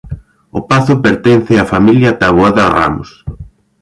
O pazo pertence á familia Taboada Ramos.